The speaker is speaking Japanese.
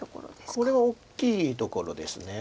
これはおっきいところです。